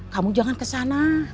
kamu jangan kesana